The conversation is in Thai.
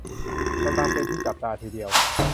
กำลังเป็นที่จับตาทีเดียว